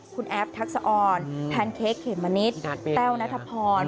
คุณแอฟทักษะอ่อนแพนเค้กเขดมณิชย์แต้วณธพร